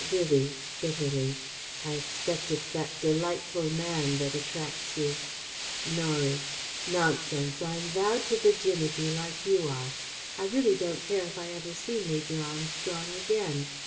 Vivie (bitterly): "I expect it's that 'delightful man' that attracts you." Norie: "Nonsense! I'm vowed to virginity, like you are ... I really don't care if I never see Major Armstrong again